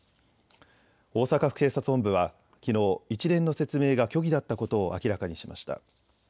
大阪府警察本部はきのう、一連の説明が虚偽だったことを明らかにしました。